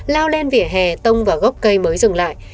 lao lên vỉa hè tông vào gốc cây mới dừng lại